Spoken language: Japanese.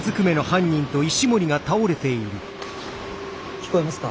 聞こえますか？